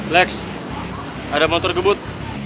lex ada motor gebut